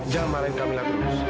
jangan marahin kamila terus